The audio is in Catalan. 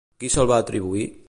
Qui se'l va atribuir?